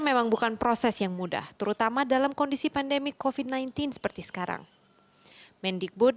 memang bukan proses yang mudah terutama dalam kondisi pandemi kofit sembilan belas seperti sekarang mendikbud